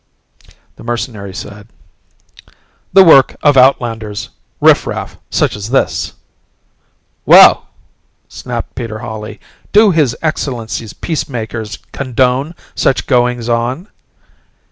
The mercenary said, "The work of outlanders riffraff such as this!" "Well," snapped Peter Hawley, "do His Excellency's Peacemakers condone such goings on?"